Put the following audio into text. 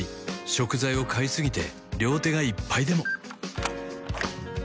食材を買いすぎて両手がいっぱいでも